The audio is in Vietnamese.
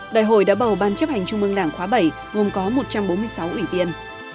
đại hội đã bầu ban chấp hành trung mương đảng khóa bảy gồm có một trăm bốn mươi sáu ủy viên